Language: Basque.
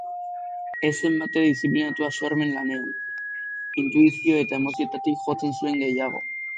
Ez zen batere diziplinatua sormen lanean, intuizio eta emozioetatik jotzen zuen gehiago.